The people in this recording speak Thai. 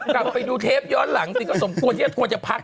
กลับไปดูเทปย้อนหลังดีกว่าสมโทษเหี้ยตัวจะพัก